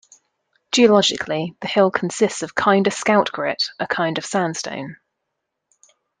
Geologically, the hill consists of Kinder Scout Grit, a kind of sandstone.